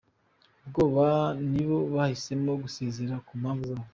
Ubwabo nibo bahisemo gusezera ku mpamvu zabo.